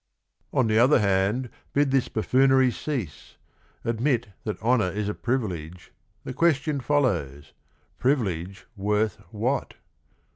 5' On the other hand, bid this buffoonery cease, Admit that honour is a privilege, The question follows, privilege worth what?